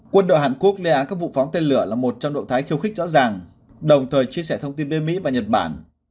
quân đội hàn quốc lên án các vụ phóng tên lửa là một trong động thái khiêu khích rõ ràng đồng thời chia sẻ thông tin với mỹ và nhật bản